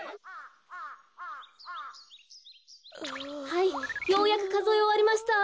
はいようやくかぞえおわりました。